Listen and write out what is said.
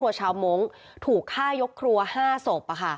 ชาวมงค์ถูกฆ่ายกครัว๕ศพ